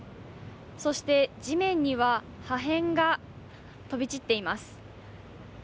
そして地面には破片が飛び散っています